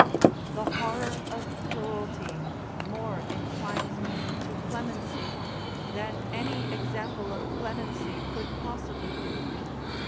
The horror of cruelty more inclines me to clemency, than any example of clemency could possibly do.